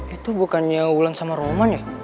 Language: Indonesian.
itu bukannya bulan sama roman ya